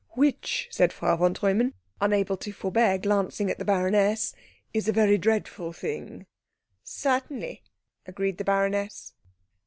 "Which," said Frau von Treumann, unable to forbear glancing at the baroness, "is a very dreadful thing." "Certainly," agreed the baroness.